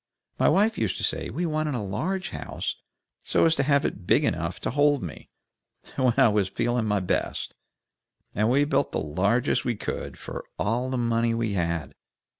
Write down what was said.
"My wife used to say we wanted a large house so as to have it big enough to hold me, when I was feeling my best, and we built the largest we could for all the money we had.